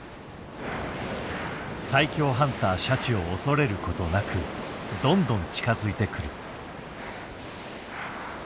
最強ハンターシャチを恐れることなくどんどん近づいてくる。